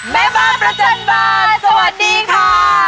แม่บ้านประจันบานสวัสดีค่ะ